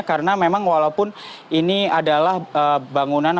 karena memang walaupun ini adalah bangunan